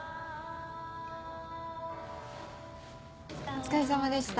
お疲れさまでした。